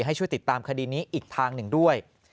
ให้ช่วยติดตามคดีนี้อีกทางหนึ่งด้วย